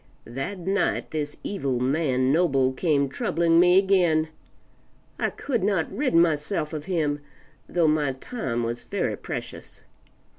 That night this evil man Noble came troubling me again: I could not rid myself of him, though my time was very precious.